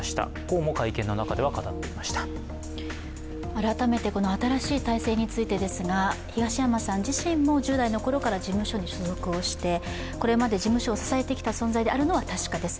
改めて新しい体制についてですが東山さん自身も１０代のころから事務所に事務所に所属をして、これまで事務所を支えてきた存在なのは確かです。